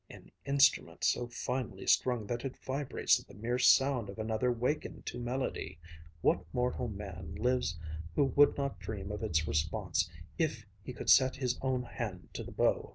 an instrument so finely strung that it vibrates at the mere sound of another wakened to melody what mortal man lives who would not dream of its response if he could set his own hand to the bow?"